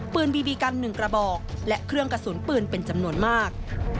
บีบีกัน๑กระบอกและเครื่องกระสุนปืนเป็นจำนวนมาก